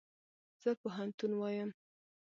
زه پوهنتون وایم